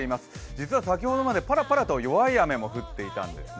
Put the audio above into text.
実は先ほどまでパラパラと弱い雨も降っていたんですね。